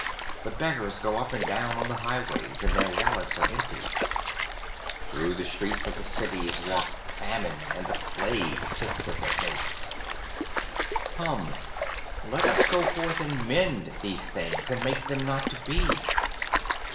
The beggars go up and down on the highways, and their wallets are empty. Through the streets of the cities walks Famine, and the Plague sits at their gates. Come, let us go forth and mend these things, and make them not to be.